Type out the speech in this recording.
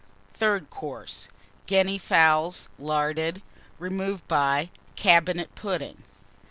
Third Course. Guinea Fowls, larded, removed by Cabinet Pudding.